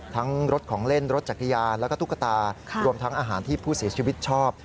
รถของเล่นรถจักรยานแล้วก็ตุ๊กตารวมทั้งอาหารที่ผู้เสียชีวิตชอบ